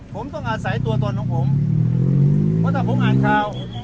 ผมต้องอาศัยตัวตนของผมเพราะถ้าผมอ่านข่าว